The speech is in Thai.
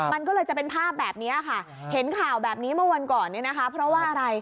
มันก็เลยจะเป็นภาพแบบนี้ค่ะเห็นข่าวแบบนี้เมื่อวันก่อนเนี่ยนะคะเพราะว่าอะไร